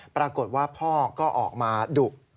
ปรากฏว่าพ่อก็ออกมาดุ